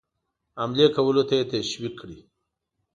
حملې کولو ته یې تشویق کړي.